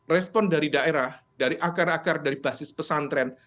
respon dari daerah dari akar akar dari basis pesantren